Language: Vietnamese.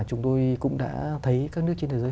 chúng tôi cũng đã thấy các nước trên thế giới